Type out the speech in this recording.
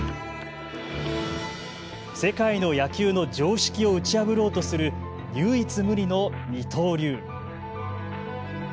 世界の野球の常識を打ち破ろうとする唯一無二の二刀流。